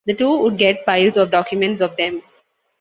The two would get "piles of documents" of them.